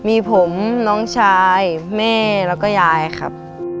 มีผมน้องชายแม่แล้วก็ยายครับ